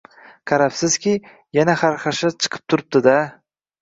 Qarabsizki, yana xarxasha chiqib turibdi-da!